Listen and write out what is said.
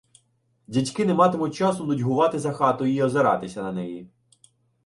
Дядьки не матимуть часу нудьгувати за хатою і озиратися на неї.